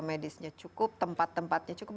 medisnya cukup tempat tempatnya cukup